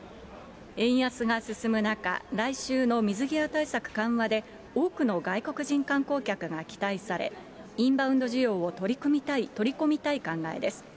円安が進む中、来週の水際対策緩和で、多くの外国人観光客が期待され、インバウンド需要を取り込みたい考えです。